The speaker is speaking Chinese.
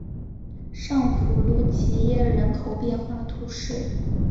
尚普鲁吉耶人口变化图示